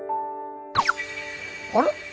あれ？